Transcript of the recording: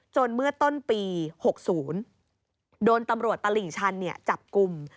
เมื่อต้นปี๖๐โดนตำรวจตลิ่งชันจับกลุ่ม